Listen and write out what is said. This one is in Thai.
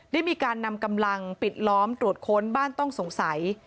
ได้มีการนำกำลังปิดล้อมตรวจค้นบ้านต้องสงสัย